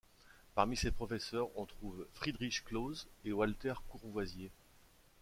Parmi ses professeurs on trouve , Friedrich Klose et Walter Courvoisier.